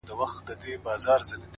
لكه اوبه چي دېوال ووهي ويده سمه زه _